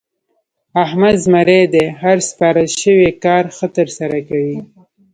احمد زمری دی؛ هر سپارل شوی کار ښه ترسره کوي.